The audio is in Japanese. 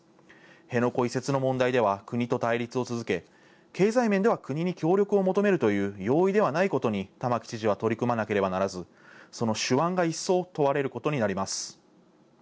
辺野古移設の問題では国と対立を続け、経済面では国に協力を求めるという容易ではないことに玉城知事は取り組まなければならず、その手腕が一層問われることになります。